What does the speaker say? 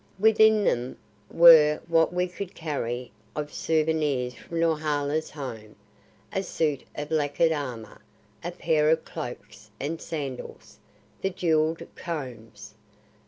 Within them were what we could carry of souvenirs from Norhala's home a suit of lacquered armor, a pair of cloaks and sandals, the jeweled combs.